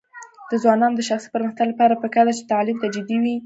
د ځوانانو د شخصي پرمختګ لپاره پکار ده چې تعلیم ته جدي وي.